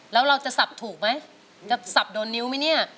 แล้วเราจะสับถูกไหมจะสับโดนนิ้วไหมเนี่ย